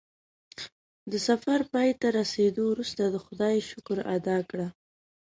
د سفر پای ته رسېدو وروسته د خدای شکر ادا کړه.